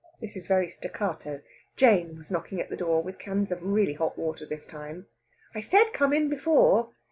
_" This is very staccato. Jane was knocking at the door with cans of really hot water this time. "I said come in before.